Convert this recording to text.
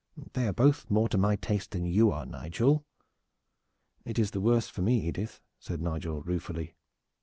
They are both more to my taste than you are, Nigel." "It is the worse for me, Edith," said Nigel ruefully.